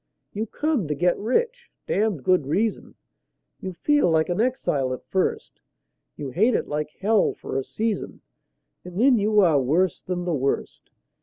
You come to get rich (damned good reason); You feel like an exile at first; You hate it like hell for a season, And then you are worse than the worst.